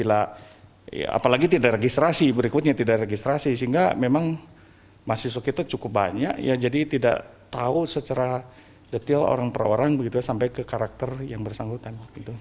apalagi tidak registrasi berikutnya tidak registrasi sehingga memang mahasiswa kita cukup banyak ya jadi tidak tahu secara detail orang per orang begitu sampai ke karakter yang bersangkutan